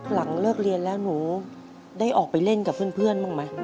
หลังเลิกเรียนแล้วหนูได้ออกไปเล่นกับเพื่อนบ้างไหม